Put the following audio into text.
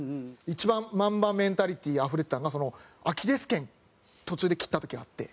一番マンバメンタリティあふれてたのがアキレス腱途中で切った時があって。